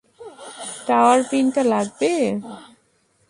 Tower পিনটা লাগবে।